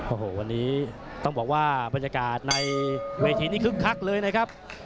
โอ้โหวันนี้ต้องบอกว่าบรรยากาศในเวทีนี้คึกคักเลยนะครับ